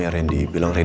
shachtara eating jam